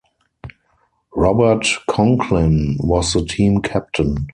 Robert Conklin was the team captain.